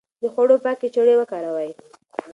د خوړو پاکې چړې وکاروئ.